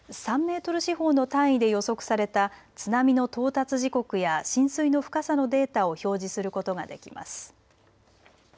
３メートル四方の単位で予測された津波の到達時刻や浸水の深さのデータを表示することができます。